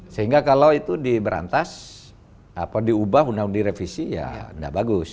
sehingga kalau itu diberantas diubah undang undang direvisi ya tidak bagus